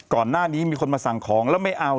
ก่อนหน้านี้มีคนมาสั่งของแล้วไม่เอา